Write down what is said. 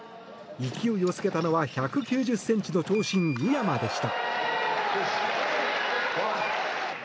勢いをつけたのは１９０ｃｍの長身、宇山でした。